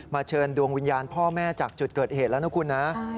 เชิญดวงวิญญาณพ่อแม่จากจุดเกิดเหตุแล้วนะคุณนะ